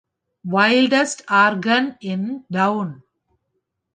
Wildest organ in down!